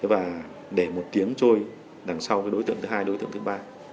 và để một tiếng trôi đằng sau cái đối tượng thứ hai đối tượng thứ ba